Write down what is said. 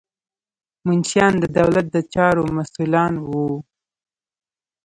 منشیان د دولت د چارو مسؤلان وو.